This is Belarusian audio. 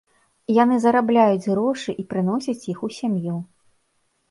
Яны зарабляюць грошы і прыносяць іх у сям'ю.